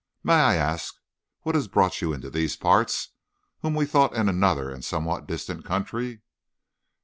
May I ask what has brought you into these parts, whom we thought in another and somewhat distant country?"